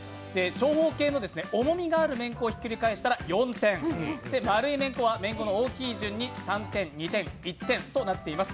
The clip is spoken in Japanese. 長方形の重みのあるメンコをひっくり返したら４点、丸いメンコは、メンコの大きい順に３点、２点、１点となっています。